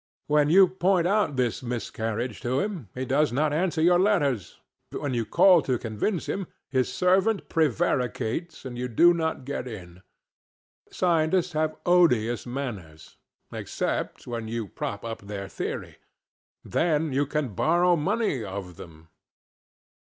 When you point out this miscarriage to him he does not answer your letters; when you call to convince him, the servant prevaricates and you do not get in. Scientists have odious manners, except when you prop up their theory; then you can borrow money of them.